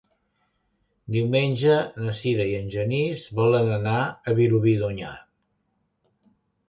Diumenge na Sira i en Genís volen anar a Vilobí d'Onyar.